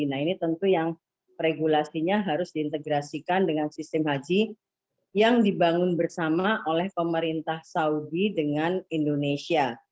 nah ini tentu yang regulasinya harus diintegrasikan dengan sistem haji yang dibangun bersama oleh pemerintah saudi dengan indonesia